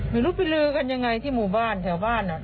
ไม่รู้ไปลือกันยังไงที่หมู่บ้านแถวบ้าน